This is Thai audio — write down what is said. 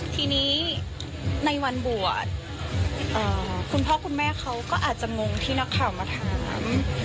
ทีนี้ในวันบวชคุณพ่อคุณแม่เขาก็อาจจะงงที่นักข่าวมาถาม